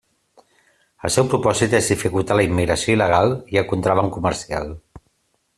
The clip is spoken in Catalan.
El seu propòsit és dificultar la immigració il·legal i el contraban comercial.